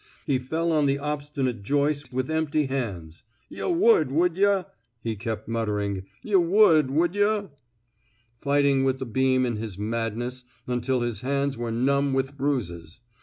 He fell on the obstinate joist with empty hands. Yuh wud, wud yuhf " he kept muttering. Yuh wud, wud yuhf ''— fighting with the beam in his madness until his hands were numb with bruises.